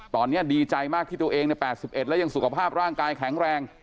ตอนนี้ดีใจมากที่ตัวเองใน๘๑แล้วยังสุขภาพร่างกายแข็งแรง